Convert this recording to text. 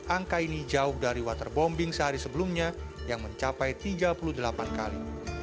angka ini jauh dari waterbombing sehari sebelumnya yang mencapai tiga puluh delapan kali